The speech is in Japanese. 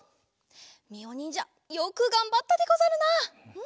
みおにんじゃよくがんばったでござるな！